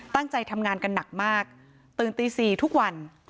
ตั้งใจทำงานกันหนักมากตื่นตี๔ทุกวัน